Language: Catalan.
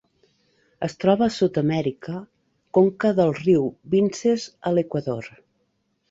Es troba a Sud-amèrica: conca del riu Vinces a l'Equador.